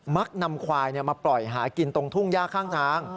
มักนำควายมาปล่อยหากินตรงทุ่งย่าข้างทาง